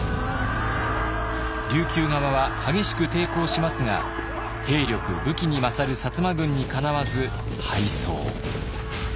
琉球側は激しく抵抗しますが兵力武器に勝る摩軍にかなわず敗走。